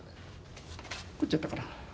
こっちやったかな？